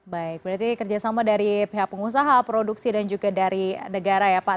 baik berarti kerjasama dari pihak pengusaha produksi dan juga dari negara ya pak